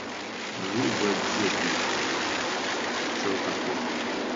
Mlu' bə́ dyə bûm tʉɔ̂ nkap tɛ'.